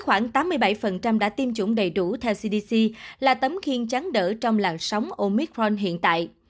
khoảng tám mươi bảy đã tiêm chủng đầy đủ theo cdc là tấm khiên trắng đỡ trong làn sóng omitron hiện tại